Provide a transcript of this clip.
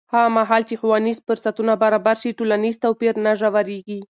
هغه مهال چې ښوونیز فرصتونه برابر شي، ټولنیز توپیر نه ژورېږي.